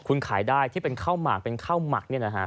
คุณขายได้ที่เป็นข้าวหมักเป็นข้าวหมักเนี่ยนะฮะ